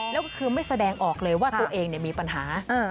แล้วก็คือไม่แสดงออกเลยว่าตัวเองมีปัญหา